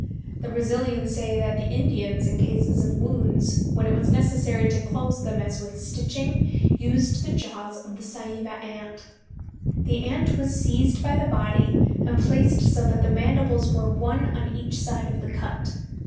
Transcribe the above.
The Brazilians say that the Indians, in cases of wounds, when it was necessary to close them as with stitching, used the jaws of the Saiiva ant. The ant was seized by the body and placed so that the mandibles were one on each side of the cut.